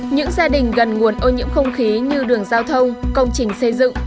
những gia đình gần nguồn ô nhiễm không khí như đường giao thông công trình xây dựng